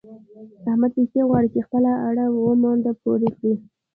احمد پيسې غواړي چې خپله اړه و مانده پوره کړي.